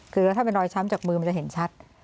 คือถ้าเป็นรอยช้ำจากมือมันจะเห็นชัด